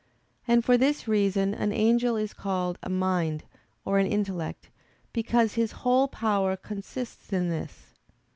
And for this reason an angel is called a "mind" or an "intellect"; because his whole power consists in this.